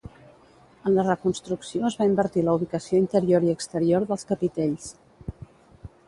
En la reconstrucció es va invertir la ubicació interior i exterior dels capitells.